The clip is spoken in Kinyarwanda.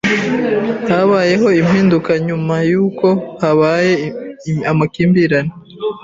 Habayeho impinduka nyuma y’uko habaye amakimbirane